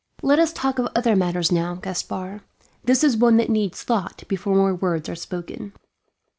"Let us talk of other matters now, Gaspard. This is one that needs thought before more words are spoken."